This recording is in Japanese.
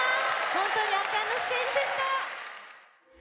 本当に圧巻のステージでした！